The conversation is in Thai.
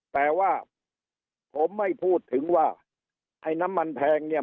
แต่ว่าผมไม่พูดถึงว่าไอ้น้ำมันแพงเนี่ย